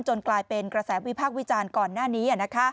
กลายเป็นกระแสวิพากษ์วิจารณ์ก่อนหน้านี้